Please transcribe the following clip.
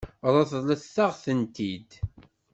Ṛeḍlet-aɣ-tent-id.